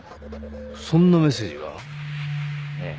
そんなメッセージが？ええ。